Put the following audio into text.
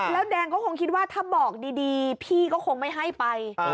แล้วแดงก็คงคิดว่าถ้าบอกดีพี่ก็คงไม่ให้ไป